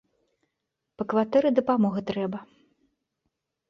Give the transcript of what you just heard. Па кватэры дапамога трэба.